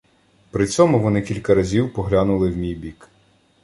При цьому вони кілька разів поглянули в мій бік.